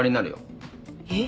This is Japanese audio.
えっ？